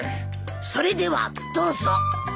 それではどうぞ。